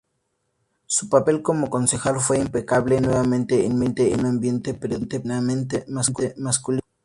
Su papel como concejal fue impecable, nuevamente en medio de un ambiente predominantemente masculino.